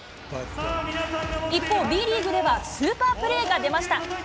一方、Ｂリーグではスーパープレーが出ました。